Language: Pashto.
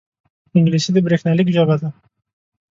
انګلیسي د بریښنالیک ژبه ده